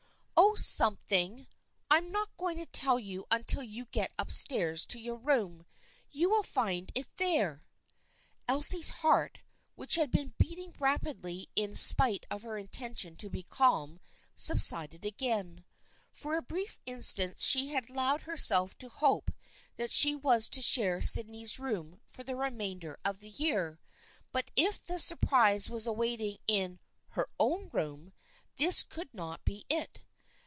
" Oh, something ! I am not going to tell you until you get up stairs to your own room. You will find it there." THE FRIENDSHIP OF ANNE 217 Elsie's heart, which had been beating rapidly in spite of her intention to be calm, subsided again. For a brief instant she had allowed herself to hope that she was to share Sydney's room for the re mainder of the year. But if the surprise was await ing her in " her own room," this could not be it.